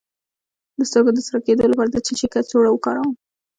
د سترګو د سره کیدو لپاره د څه شي کڅوړه وکاروم؟